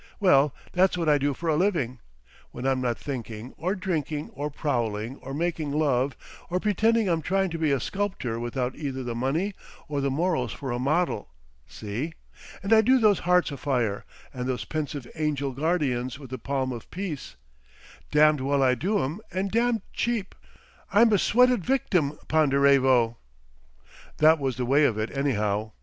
Well, that's what I do for a living—when I'm not thinking, or drinking, or prowling, or making love, or pretending I'm trying to be a sculptor without either the money or the morals for a model. See? And I do those hearts afire and those pensive angel guardians with the palm of peace. Damned well I do 'em and damned cheap! I'm a sweated victim, Ponderevo..." That was the way of it, anyhow.